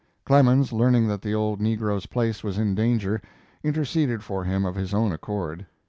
Clemens, learning that the old negro's place was in danger, interceded for him of his own accord.